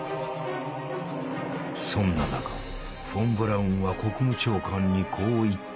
そんな中フォン・ブラウンは国務長官にこう言った。